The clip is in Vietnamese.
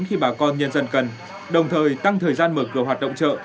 khi bà con nhân dân cần đồng thời tăng thời gian mở cửa hoạt động chợ